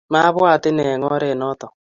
mabwaat inen eng ore noto.